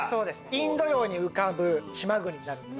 インド洋に浮かぶ島国。